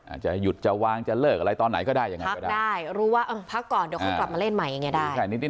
อาจจะหยุดจะวางจะเลิกอะไรตอนไหนก็ได้ยังไงพักก็ได้รู้ว่าพักก่อนเดี๋ยวค่อยกลับมาเล่นใหม่อย่างนี้ได้